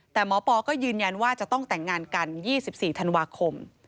แต่หมอปอก็ยืนยันว่าจะต้องแต่งงานกัน๒๔ธันวาคม